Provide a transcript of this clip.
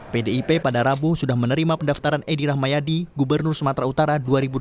pdip pada rabu sudah menerima pendaftaran edi rahmayadi gubernur sumatera utara dua ribu dua puluh